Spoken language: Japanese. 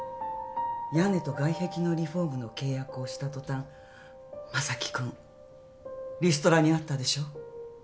屋根と外壁のリフォームの契約をした途端昌輝君リストラに遭ったでしょ？